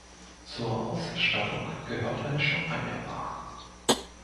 Zur Ausstattung gehört eine Champagnerbar.